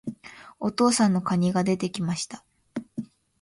お父さんの蟹が出て来ました。